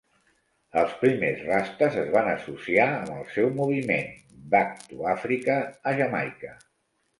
Els primers rastas es van associar amb el seu moviment Back-to-Africa a Jamaica.